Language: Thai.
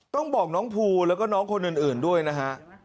ต้องบอกน้องภูแล้วก็น้องคนอื่นด้วยนะฮะ